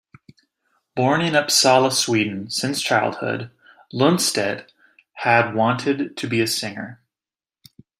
Born in Uppsala, Sweden, since childhood, Lundstedt had wanted to be a singer.